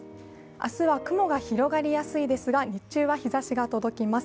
明日は雲が広がりやすいですが、日中は日ざしが届きます。